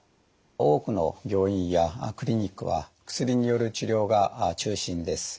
多くの病院やクリニックは薬による治療が中心です。